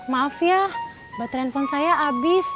maaf ya baterai handphone saya abis